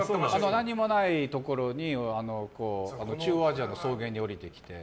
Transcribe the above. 何もないところに中央アジアの草原に降りて行って。